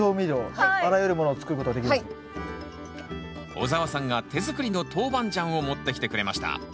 オザワさんが手作りのトウバンジャンを持ってきてくれました。